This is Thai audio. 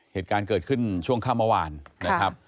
เหตุการณ์เกิดขึ้นช่วงค่ำเมื่อวานนะครับ